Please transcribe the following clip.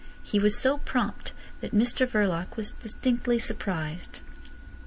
He was so prompt that Mr Verloc was distinctly surprised.